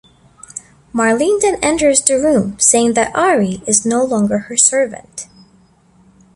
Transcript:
Marlene then enters the room saying that Ari is no longer her servant.